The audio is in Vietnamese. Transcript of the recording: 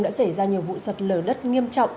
đã xảy ra nhiều vụ sạt lở đất nghiêm trọng